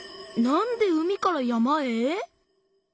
なんで海から山へ？